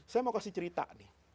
saya mau kasih cerita nih